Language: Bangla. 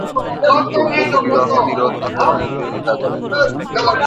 কিন্তু বহুবিবাহ-নিরোধ আন্দোলনের বিরোধিতা করেন।